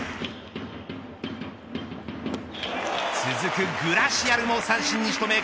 続くグラシアルも三振に仕留め